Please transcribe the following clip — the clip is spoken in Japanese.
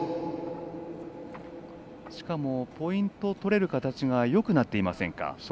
しかも、ポイント取れる形がよくなっていませんか？